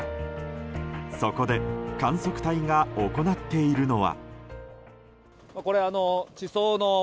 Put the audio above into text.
そこで観測隊が行っているのは。